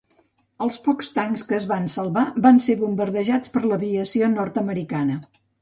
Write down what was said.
Els pocs tancs que es van salvar van ser bombardejats per l'aviació nord-americana.